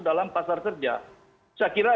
dalam pasar kerja saya kira